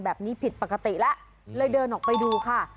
แบบนี้ผิดปกติแล้วเลยเดินออกไปดูค่ะ